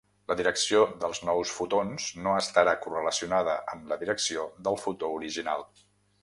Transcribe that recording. La direcció dels nous fotons no estarà correlacionada amb la direcció del fotó original.